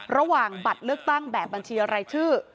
ระหว่างบัตรเลือกตั้งแบบบัญชีรายชื่อ